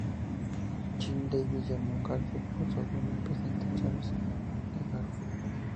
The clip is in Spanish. Jim Davis llamó a Garfield por su abuelo, el presidente James A. Garfield.